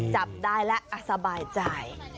จับได้ละอาสบายใจ